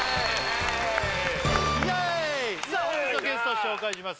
さあ本日のゲスト紹介します